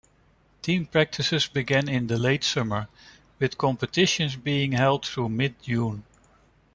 Team practices begin in the late summer, with competitions being held through mid-June.